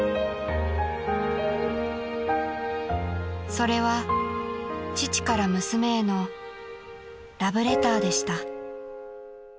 ［それは父から娘へのラブレターでした］